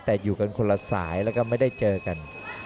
แต่อยู่กันคนละสายแล้วก็ไม่ได้เจอกัน